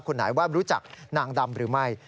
คนไหนว่ารู้จักนางดำหรือไม่